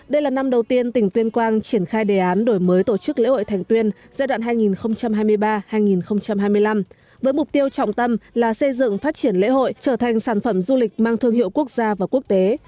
đây là năm đầu tiên tỉnh tuyên quang triển khai đề án đổi mới tổ chức lễ hội thành tuyên giai đoạn hai nghìn hai mươi ba hai nghìn hai mươi năm với mục tiêu trọng tâm là xây dựng phát triển lễ hội trở thành sản phẩm du lịch mang thương hiệu quốc gia và quốc tế